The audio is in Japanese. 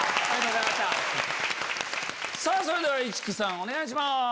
それでは市來さんお願いします。